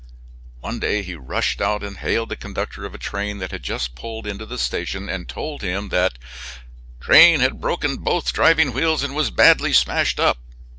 One day he rushed out and hailed the conductor of a train that had just pulled into the station, and told him that train had broken both driving wheels and was badly smashed up.